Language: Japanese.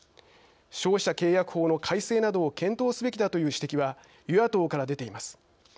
消費者契約法の改正などを検討すべきだという指摘は与野党から出ています。